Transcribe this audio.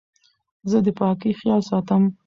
زه د پاکۍ خیال ساتم.